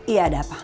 iya ada apa